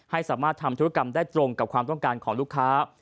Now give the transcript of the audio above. ให้สามารถทำธุรกรรมได้ตรงกับความต้องการของลูกค้า